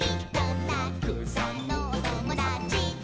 「たくさんのおともだちと」